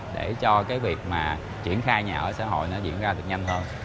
để cho việc triển khai nhà ở xã hội diễn ra nhanh hơn